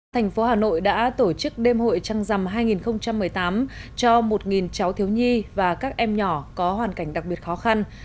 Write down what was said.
thành phố hà nội đã tổ chức đêm hội trăng rằm hai nghìn một mươi tám cho một cháu thiếu nhi và các em nhỏ có hoàn cảnh đặc biệt khó khăn